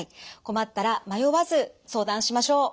困ったら迷わず相談しましょう。